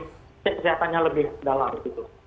cek kesehatannya lebih dalam gitu